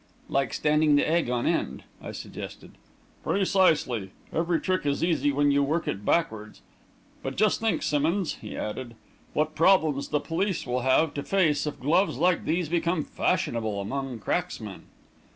"Like standing the egg on end," I suggested. "Precisely. Every trick is easy when you work it backwards. But just think, Simmonds," he added, "what problems the police will have to face, if gloves like these become fashionable among cracksmen!"